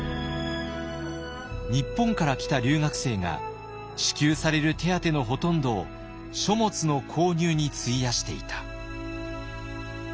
「日本から来た留学生が支給される手当のほとんどを書物の購入に費やしていた」。